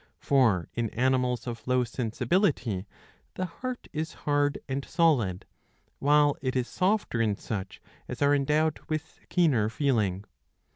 For in animals of low sensibility the heart is hard and solid, while it is softer in such as are endowed with keener feeling.